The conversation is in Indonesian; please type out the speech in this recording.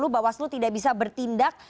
bawaslu tidak bisa bertindak